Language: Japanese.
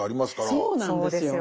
そうなんですよ。